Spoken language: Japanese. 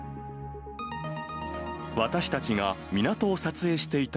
私たちが港を撮影していた